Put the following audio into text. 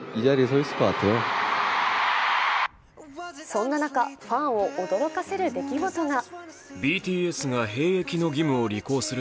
そんな中、ファンを驚かせる出来事が。